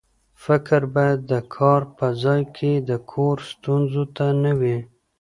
فکر باید د کار په ځای کې د کور ستونزو ته نه وي.